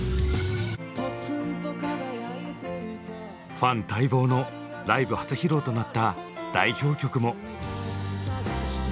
ファン待望のライブ初披露となった代表曲も。